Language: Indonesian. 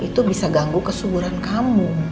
itu bisa ganggu kesuburan kamu